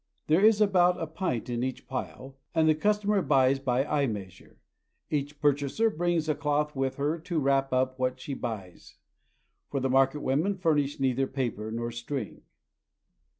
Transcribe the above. There is about a pint in each pile, and the cus tomer buys by eye measure. Each purchaser brings a cloth with her to wrap up what she buys, for the market women furnish neither paper nor string.